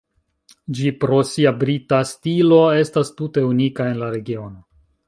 Ĝi pro sia brita stilo estas tute unika en la regiono.